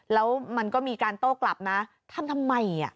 แล้วมันก็มีการโต้กลับนะทำทำไม